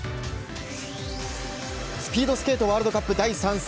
スピードスケートワールドカップ第３戦。